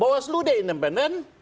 bahwa seluruh daya independen